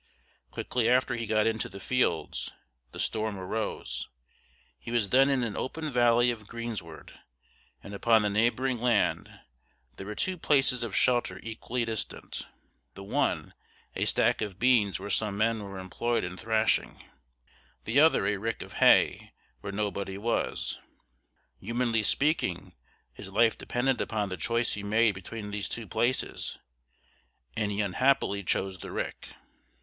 Quickly after he got into the fields, the storm arose; he was then in an open valley of greensward, and upon the neighbouring land there were two places of shelter equally distant; the one a stack of beans where some men were employed in thrashing, the other a rick of hay where nobody was. Humanly speaking, his life depended upon the choice he made between these two places, and he unhappily chose the rick.